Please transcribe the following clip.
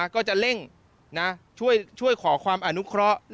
ก็จะเร่งช่วยขอความอนุเคราะห์